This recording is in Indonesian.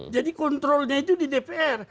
jadi kontrolnya itu di dpr